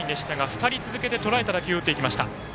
２人続けて、とらえた打球打っていきました。